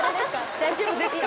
大丈夫ですか？